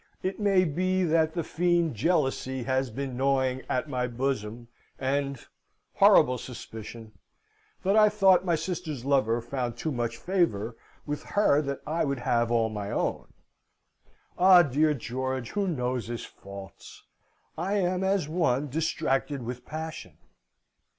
It may be that the fiend jealousy has been gnawing at my bosom, and horrible suspicion! that I thought my sister's lover found too much favour with her I would have all my own. Ah, dear George, who knows his faults? I am as one distracted with passion.